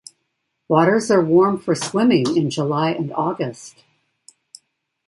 Waters are warm for swimming in July and August.